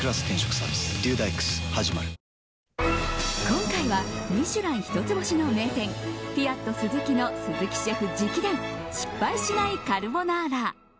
今回は「ミシュラン」一つ星の名店ピアットスズキの鈴木シェフ直伝失敗しないカルボナーラ。